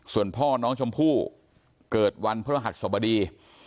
ส่วนพ่อน้องชมพู่เกิดวันพระรหัสสบดี